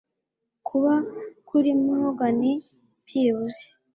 Kuba, kuri Morgan byibuze,